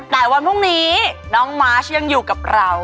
แต่วันพรุ่งนี้น้องมาร์ชยังอยู่กับเรา